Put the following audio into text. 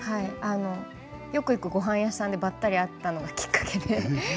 よく行くごはん屋さんでばったり会ったのがきっかけで。